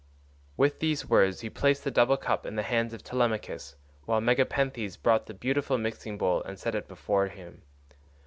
With these words he placed the double cup in the hands of Telemachus, while Megapenthes brought the beautiful mixing bowl and set it before him.